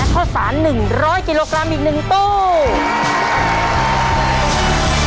ข้าวสาร๑๐๐กิโลกรัมอีก๑ตู้